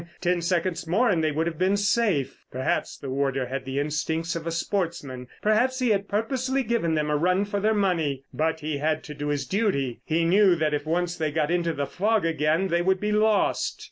Ten seconds more and they would have been safe. Perhaps the warder had the instincts of a sportsman. Perhaps he had purposely given them a run for their money. But he had to do his duty. He knew that if once they got into the fog again they would be lost.